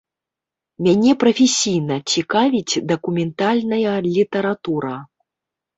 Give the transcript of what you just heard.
Мяне прафесійна цікавіць дакументальная літаратура.